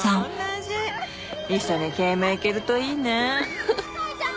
一緒に慶明行けるといいね。